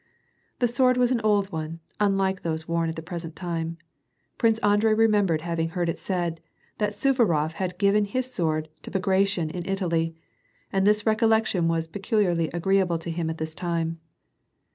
The sword was 'an old one, unlike those worn at the present time. Prince Andrei remembered having heard it said, that Suvarof had given his sword to Bagration in Italy, and this recollection was peculiarly s^ree able to him at this time.